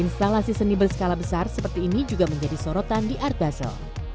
instalasi seni berskala besar seperti ini juga menjadi sorotan di art basel